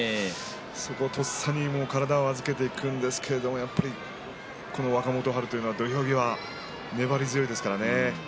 そこをとっさに体を預けていくんですけど若元春というのは土俵際粘り強いですからね。